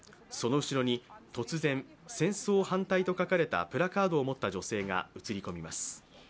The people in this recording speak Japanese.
その後ろに突然、「戦争反対」というプラカードを持った女性が映り込みます。